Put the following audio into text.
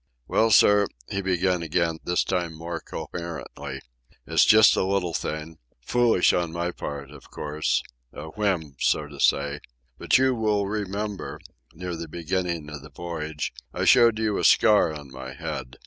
"Well, sir," he began again, this time more coherently, "it's just a little thing—foolish on my part, of course—a whim, so to say—but you will remember, near the beginning of the voyage, I showed you a scar on my head